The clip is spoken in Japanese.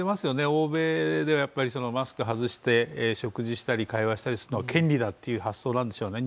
欧米ではマスク外して食事したり、会話したりが権利だという発想なんでしょうね。